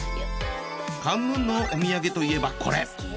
カンヌンのお土産といえばこれ。